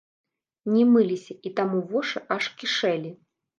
Не мыліся, і таму вошы аж кішэлі.